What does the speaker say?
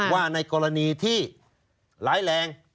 ว่าในกรณีที่ร้ายแรง